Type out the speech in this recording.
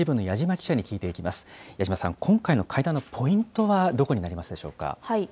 矢島さん、今回の会談のポイントはどこになりますでしょうか。